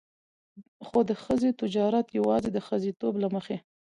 خو د ښځې تجارت يواځې د ښځېتوب له مخې.